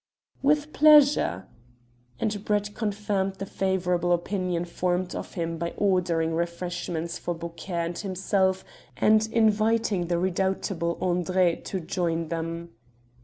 "With pleasure." And Brett confirmed the favourable opinion formed of him by ordering refreshments for Beaucaire and himself and inviting the redoubtable André to join them.